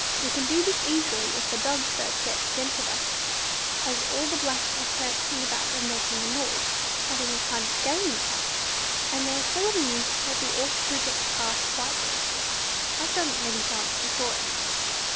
We can do this easily if the dogs don't get scent of us, as all the blacks are prancing about and making a noise, having a kind of game in fact, and they are so amused that we ought to get past quite safely. I've done it many times before at night."